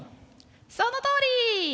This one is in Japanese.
そのとおり！